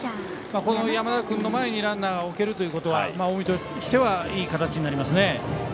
この山田君の前にランナーを置けるのは近江としてはいい形になりますね。